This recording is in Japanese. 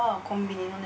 コンビニ？